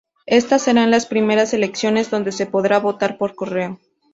Estas serán las primeras elecciones donde se podrá votar por correo.